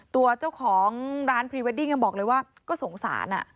ตัวเจ้าของร้านพรีเวดดิ้งยังบอกเลยว่าก็สงสาร